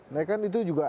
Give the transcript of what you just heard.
nah kan itu juga